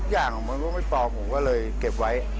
อย่างไรผมก็จะเก็บไว้